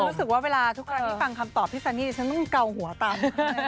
ทุกครั้งพี่ฟังคำตอบพี่ซันนี่ฉันก็เกาหัวตาม